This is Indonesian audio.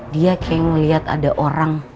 dia kayak mau lihat ada orang